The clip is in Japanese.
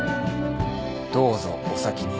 どうぞお先に。